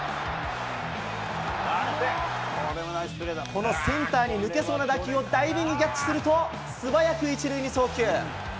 このセンターに抜けそうな打球をダイビングキャッチすると、素早く１塁に送球。